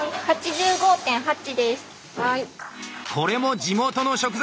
これも地元の食材。